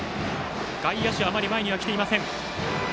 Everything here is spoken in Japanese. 外野手はあまり前に来ていません。